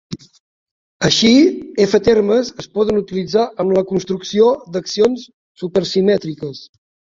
Així, F-termes es poden utilitzar en la construcció d'accions supersymmètriques.